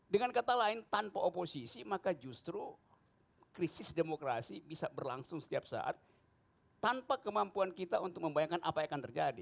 dengan kata lain tanpa oposisi maka justru krisis demokrasi bisa berlangsung setiap saat tanpa kemampuan kita untuk membayangkan apa yang akan terjadi